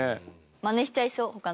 マネしちゃいそう他の所。